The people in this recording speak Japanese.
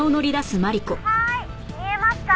「はーい。見えますか？」